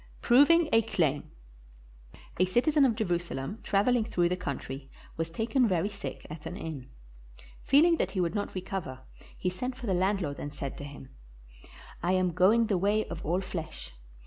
] PROVING A CLAIM A CITIZEN of Jerusalem traveling through the country was taken very sick at an inn. Feeling that he would not recover, he sent for the landlord and said to him, "I am going the way of all flesh.